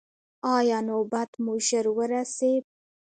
ایا نوبت مو ژر ورسید؟